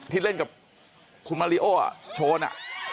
ที่เล่นกับคุณมาริโอโชน